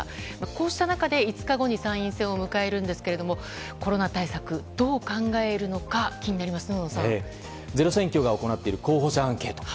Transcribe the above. こうした中で、５日後に参院選を迎えるんですがコロナ対策どう考えるのか気になりますね、小野さん。「ｚｅｒｏ選挙」が行っている候補者アンケート。